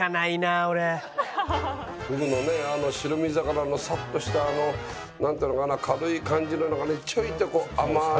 フグのね白身魚のサッとしたなんていうのかな軽い感じなのがねちょいと甘い味がくる。